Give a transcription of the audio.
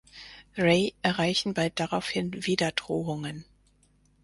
Ray erreichen bald daraufhin wieder Drohungen.